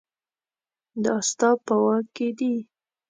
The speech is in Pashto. دا ستا په واک کې دي